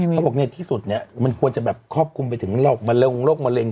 เขาบอกเนี่ยที่สุดเนี่ยมันควรจะแบบคอบคุมไปถึงโรคมะเร็ง